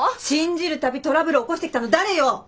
信じる度トラブル起こしてきたの誰よ！